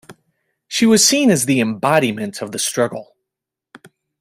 She was seen as the embodiment of the struggle.